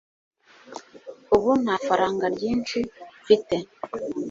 ubu nta faranga ryinshi mfite